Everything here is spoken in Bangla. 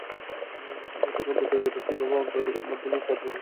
তাই এটাকে অন্তত কীভাবে অগ্রাধিকারের মধ্যম পর্যায়েও নেওয়া যায়, সেটা ভাবতে হবে।